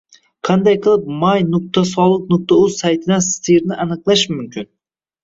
Qanday qilib my.soliq.uz saytidan stirni aniqlash mumkin?